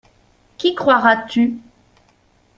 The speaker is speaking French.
Qui croiras-tu ?